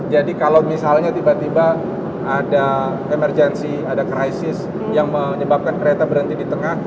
jadi kalau misalnya tiba tiba ada emergency ada krisis yang menyebabkan kereta berhenti di tengah